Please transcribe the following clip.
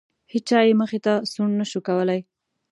هیچا یې مخې ته سوڼ نه شو کولی.